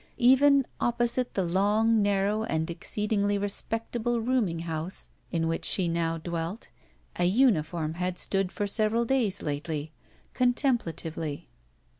Even opposite the long, narrow, and exceedingly respectable rooming house in which r she now dwelt a uniform had stood for several days lately, contemplatively.